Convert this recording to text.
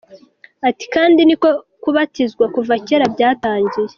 Ati kandi niko kubatizwa kuva kera byatangiye.